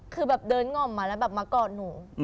คือแบบเดินหง่อมมาแล้วแบบมากอดหนู